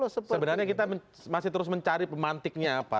sebenarnya kita masih terus mencari pemantiknya apa